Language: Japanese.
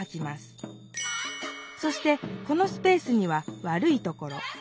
そしてこのスペースには悪いところ。